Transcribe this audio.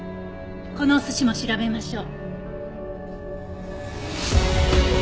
このお寿司も調べましょう。